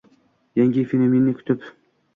Yangi fenomenni kutib